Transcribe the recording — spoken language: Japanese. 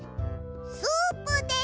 スープです！